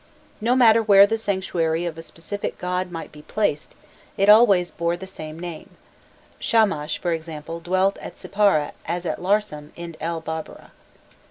No matter where the sanctuary of a specific god might be placed, it always bore the same name; Shamash, for example, dwelt at Sippara as at Larsam in an E Babbara.